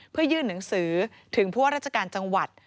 เพื่อยื่นหนังสือถึงผู้ว่าราชการจังหวัด